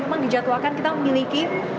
memang di jadwalkan kita memiliki